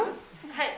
はい。